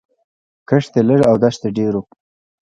کښت یې لږ او دښت یې ډېر و